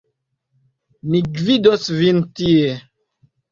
Mi gvidos vin tie.